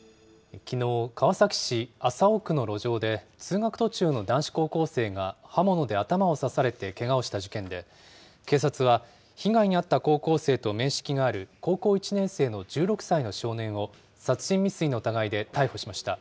きのう、川崎市麻生区の路上で、通学途中の男子高校生が刃物で頭を刺されてけがをした事件で、警察は被害に遭った高校生と面識がある高校１年生の１６歳の少年を、殺人未遂の疑いで逮捕しました。